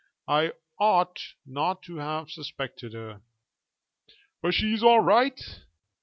I ought not to have suspected her." "But she's all right?"